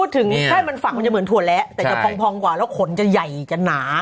ถึงใช่มันฝักมันจะเหมือนถั่วแล้วแต่จะพองกว่าแล้วขนจะใหญ่จะหนา